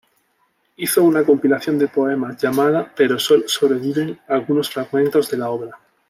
Hizo una compilación de poemas llamada pero sólo sobreviven algunos fragmentos de la obra.